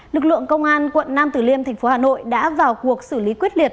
lực lượng công an quận nam tử liêm thành phố hà nội đã vào cuộc xử lý quyết liệt